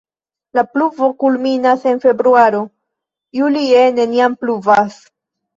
La pluvo kulminas en februaro, julie neniam pluvas.